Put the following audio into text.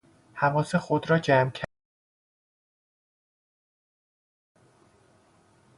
حواس خود را جمع کردن، افکار خود را متمرکز کردن